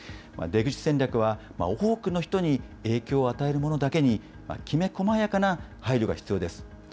出口戦略は多くの人に影響を与えるものだけに、きめ細やかな配慮が必要です。